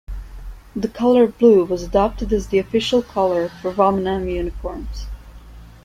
The color blue was adopted as the official color for Vovinam uniforms.